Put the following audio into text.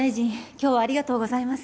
今日はありがとうございます。